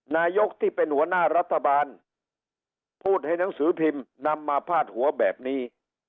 นายกที่เป็นหัวหน้ารัฐบาลพูดให้หนังสือพิมพ์นำมาพาดหัวแบบนี้